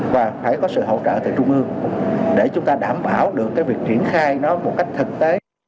và phải có sự hỗ trợ từ trung ương để chúng ta đảm bảo được cái việc triển khai nó một cách thực tế